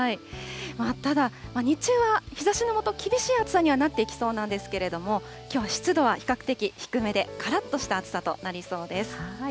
ただ、日中は日ざしの下、厳しい暑さにはなっていきそうなんですけれども、きょうは湿度は比較的低めで、からっとした暑さとなりそうです。